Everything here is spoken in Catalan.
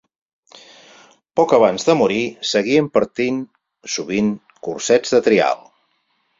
Poc abans de morir, seguia impartint sovint cursets de trial.